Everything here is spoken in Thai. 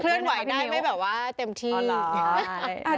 เคลื่อนไหวได้ไหมแบบว่าเต็มที่อย่างนี้นะครับพี่นิ้วอ๋อเหรอ